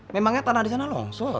memangnya tanah di sana longsor